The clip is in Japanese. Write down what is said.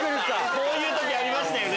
こういう時ありましたよね。